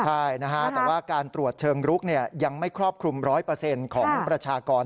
ใช่นะฮะแต่ว่าการตรวจเชิงลุกยังไม่ครอบคลุม๑๐๐ของประชากร